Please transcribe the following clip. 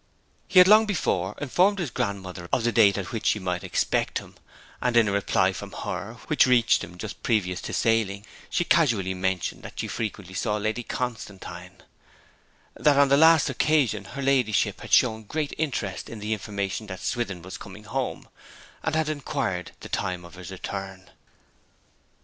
He had long before informed his grandmother of the date at which she might expect him; and in a reply from her, which reached him just previous to sailing, she casually mentioned that she frequently saw Lady Constantine; that on the last occasion her ladyship had shown great interest in the information that Swithin was coming home, and had inquired the time of his return.